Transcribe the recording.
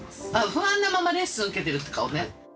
不安のままレッスン受けてるって顔ね。